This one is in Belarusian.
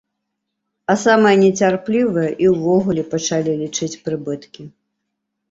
А самыя нецярплівыя і ўвогуле пачалі лічыць прыбыткі.